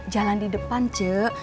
jalan di depan cek